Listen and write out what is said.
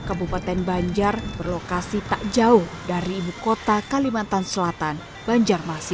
kabupaten banjar berlokasi tak jauh dari ibukota kalimantan selatan banjarmasir